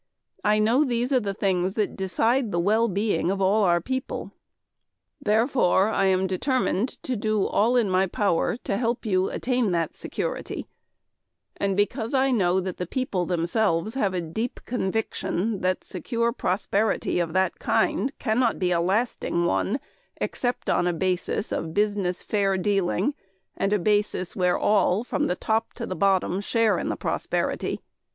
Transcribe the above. I know these are the things that decide the well being of all our people. Therefore, I am determined to do all in my power to help you attain that security and because I know that the people themselves have a deep conviction that secure prosperity of that kind cannot be a lasting one except on a basis of business fair dealing and a basis where all from the top to the bottom share in the prosperity.